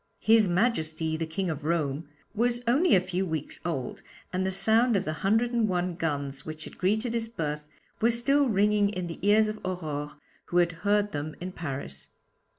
'His Majesty the King of Rome' was only a few weeks old, and the sound of the hundred and one guns which had greeted his birth were still ringing in the ears of Aurore, who had heard them in Paris.